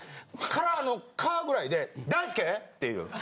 カラの「カ」ぐらいで大輔！？って言う。